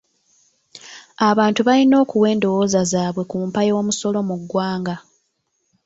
Abantu bayina okuwa endowoza zaabwe ku mpa y'omusolo mu ggwanga.